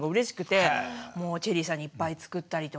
もうチェリーさんにいっぱい作ったりとか。